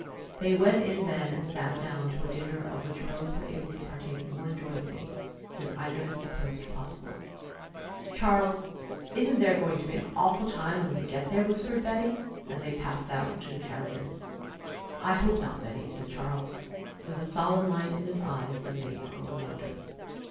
They went in then and sat down to a dinner of which both were able to partake more enjoyably than either had supposed possible. "Charles, isn't there going to be an awful time when we get there?" whispered Betty, as they passed out to the carriages. "I hope not, Betty," said Charles, with a solemn light in his eyes that made the girl wonder.